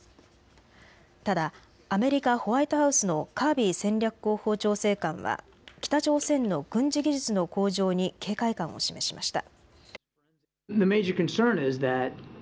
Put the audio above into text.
ただアメリカ・ホワイトハウスのカービー戦略広報調整官は北朝鮮の軍事技術の向上に警戒感を示しました。